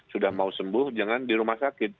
sudah mau sembuh jangan di rumah sakit